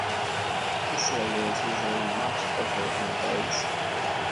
This layer is usually much thicker than the base.